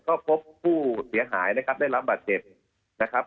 ก็พบผู้เสียหายนะครับได้รับบาดเจ็บนะครับ